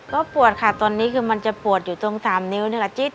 ก็ปวดค่ะตอนนี้คือมันจะปวดอยู่ตรง๓นิ้วนี่แหละจิ๊ด